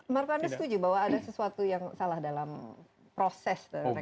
markanda setuju bahwa ada sesuatu yang salah dalam proses reklamasi ini